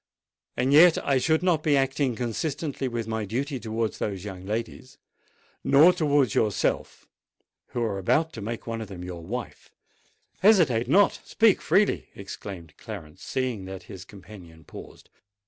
And yet I should not be acting consistently with my duty towards those young ladies—no, nor towards yourself who are about to make one of them your wife——" "Hesitate not: speak freely!" exclaimed Clarence, seeing that his companion paused.